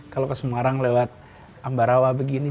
kalau ke semarang lewat ambarawa begini